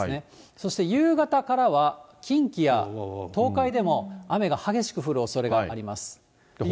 そして夕方からは、近畿や東海でも雨が激しく降るおそれがあります。